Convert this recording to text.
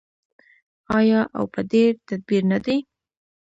آیا او په ډیر تدبیر نه دی؟